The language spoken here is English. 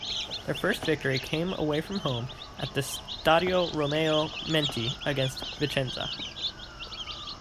Their first victory came away from home at the Stadio Romeo Menti against Vicenza.